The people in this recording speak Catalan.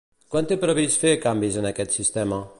Quan té previst fer canvis en aquest sistema?